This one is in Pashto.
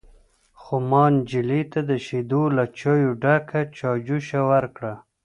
_خو ما نجلۍ ته د شيدو له چايو ډکه چايجوشه ورکړه.